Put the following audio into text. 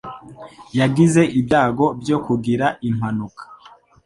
Yagize ibyago byo kugira impanuka